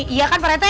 iya kan parete